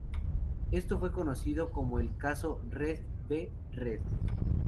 Esto fue conocido como el caso Reed v. Reed.